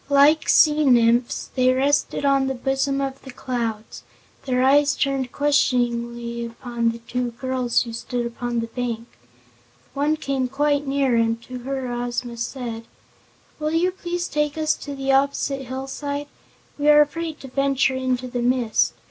Like sea nymphs they rested on the bosom of the clouds, their eyes turned questioningly upon the two girls who stood upon the bank. One came quite near and to her Ozma said: "Will you please take us to the opposite hillside? We are afraid to venture into the mist.